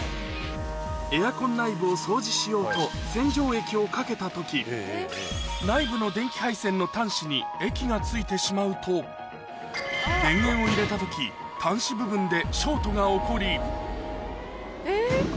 エアコン内部を掃除しようと、洗浄液をかけたとき、内部の電気配線の端子に液がついてしまうと、電源を入れたとき、端子部分でショートが起こり。